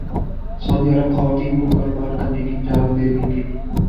سعودی عرب خواتین کو کاروبار کرنے کی اجازت دے دی گئی